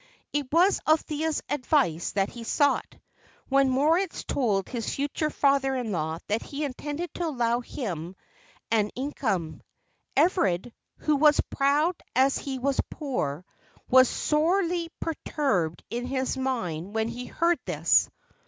It was Althea's advice that he sought, when Moritz told his future father in law that he intended to allow him an income. Everard, who was as proud as he was poor, was sorely perturbed in his mind when he heard this.